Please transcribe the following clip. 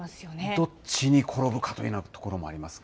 どっちに転ぶかというところもありますか？